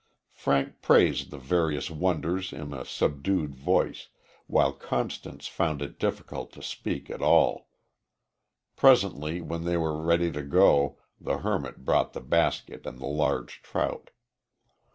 Frank praised the various wonders in a subdued voice, while Constance found it difficult to speak at all. Presently, when they were ready to go, the hermit brought the basket and the large trout.